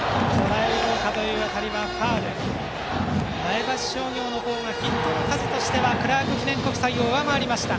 前橋商業の方がヒットの数としてはクラーク記念国際を上回りました。